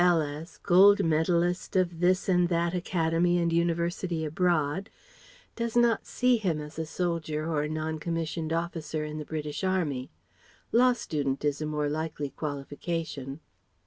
S., F.L.S., Gold Medallist of this and that Academy and University abroad does not "see" him as a soldier or a non commissioned officer in the British Army: law student is a more likely qualification.